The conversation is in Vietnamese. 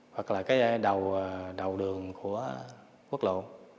hoặc là cái đầu đường của quốc lộ